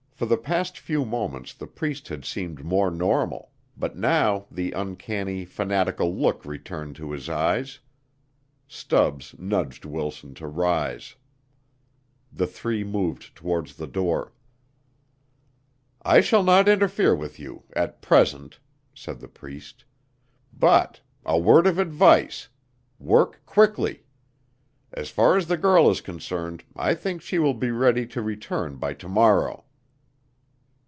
For the last few moments the Priest had seemed more normal, but now the uncanny, fanatical look returned to his eyes. Stubbs nudged Wilson to rise. The three moved towards the door. "I shall not interfere with you at present," said the Priest. "But a word of advice work quickly. As far as the girl is concerned I think she will be ready to return by to morrow."